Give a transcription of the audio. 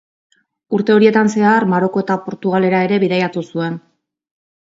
Urte horietan zehar, Maroko eta Portugalera ere bidaiatu zuen.